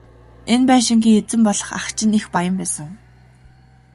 Энэ байшингийн эзэн болох ах чинь их баян байсан.